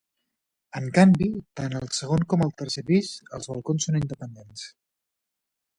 En canvi, tant al segon com al tercer pis els balcons són independents.